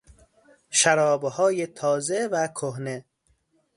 شرابهای تازه و کهنه